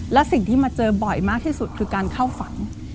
และสิ่งที่มาเจอบ่อยมากที่สุดคือการเข้าฝัน